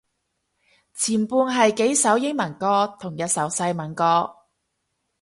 前半係幾首英文歌同一首西文歌